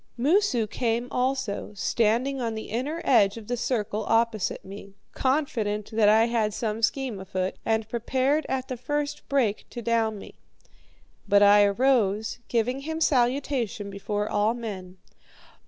Moosu came also, standing on the inner edge of the circle opposite me, confident that I had some scheme afoot, and prepared at the first break to down me. But I arose, giving him salutation before all men.